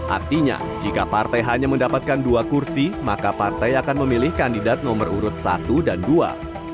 artinya jika partai hanya mendapatkan dua kursi maka partai akan memilih kandidat nomor urut satu dan dua